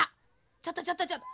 ちょっとちょっとちょっと！